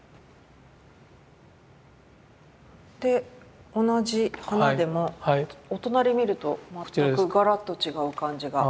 で同じ花でもお隣見ると全くガラッと違う感じが。